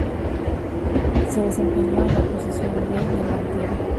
Se desempeñó en la posición de delantero.